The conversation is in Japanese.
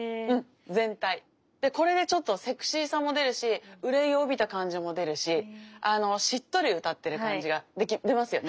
これでちょっとセクシーさも出るし憂いを帯びた感じも出るししっとり歌ってる感じが出ますよね？